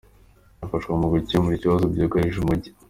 Bwafasha mu gukemura ibibazo byugarije umujyi